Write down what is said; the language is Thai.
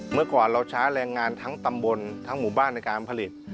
เมื่อก่อนเราช้าแรงงานทั้งตำบลทั้งหมู่บ้านในการผลิต